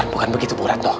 bukan begitu bu retno